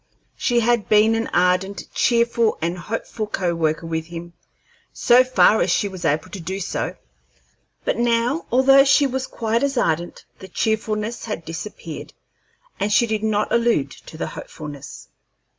She had been an ardent, cheerful, and hopeful co worker with him, so far as she was able to do so; but now, although she was quite as ardent, the cheerfulness had disappeared, and she did not allude to the hopefulness.